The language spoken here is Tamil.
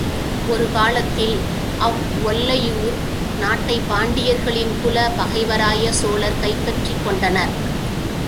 ஒரு காலத்தில், அவ்வொல்லையூர் நாட்டைப் பாண்டியர்களின் குலப் பகைவராய சோழர் கைப் பற்றிக் கொண்டனர்.